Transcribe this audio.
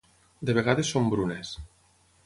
De vegades són brunes.